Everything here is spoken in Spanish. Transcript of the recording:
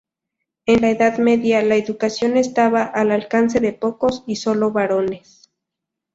En la Edad Media, la educación estaba al alcance de pocos y solo varones.